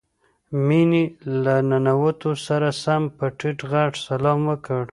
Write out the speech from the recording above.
مينې له ننوتو سره سم په ټيټ غږ سلام وکړ.